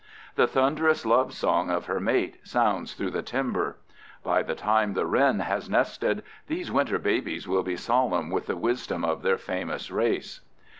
The thunderous love song of her mate sounds through the timber. By the time the wren has nested these winter babies will be solemn with the wisdom of their famous race.